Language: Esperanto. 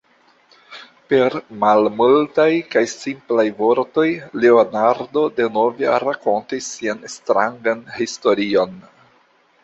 Per malmultaj kaj simplaj vortoj Leonardo denove rakontis sian strangan historion.